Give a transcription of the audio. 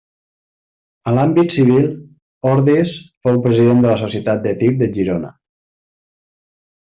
A l'àmbit civil, Ordis fou president de la Societat de Tir de Girona.